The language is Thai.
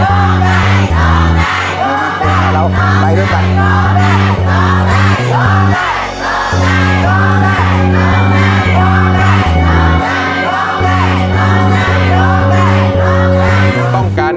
ต้องการร้องได้